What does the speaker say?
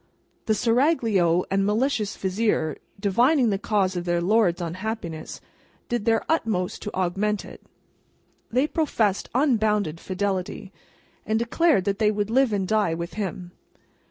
The Seraglio and malicious Vizier, divining the cause of their Lord's unhappiness, did their utmost to augment it. They professed unbounded fidelity, and declared that they would live and die with him.